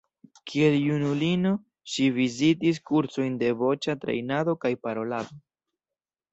Kiel junulino ŝi vizitis kursojn de voĉa trejnado kaj parolado.